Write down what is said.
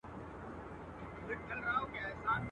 لکه شمع بلېده په انجمن کي.